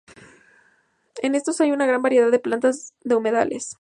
En estos hay una gran variedad de plantas de humedales.